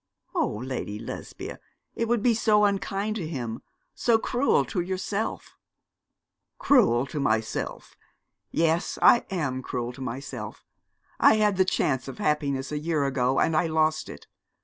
'Oh, Lady Lesbia, it would be so unkind to him, so cruel to yourself.' 'Cruel to myself. Yes, I am cruel to myself. I had the chance of happiness a year ago, and I lost it.